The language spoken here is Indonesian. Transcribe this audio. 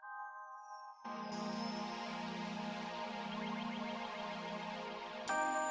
mobil mobil sih menenggelam pergi begini harus gimana gue mau di penjara